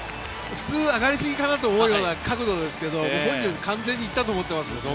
普通、上がりすぎかなと思うような角度ですが本人は完全に行ったと思っていますね。